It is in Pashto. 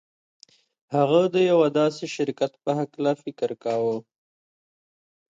هغه د یوه داسې شرکت په هکله فکر کاوه